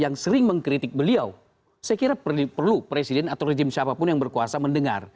yang sering mengkritik beliau saya kira perlu presiden atau rejim siapapun yang berkuasa mendengar